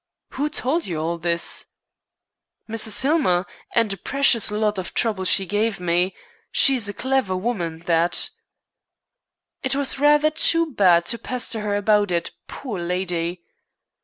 "Who told you all this?" "Mrs. Hillmer, and a precious lot of trouble she gave me. She is a clever woman that." "It was rather too bad to pester her about it, poor lady."